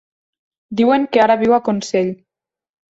Diuen que ara viu a Consell.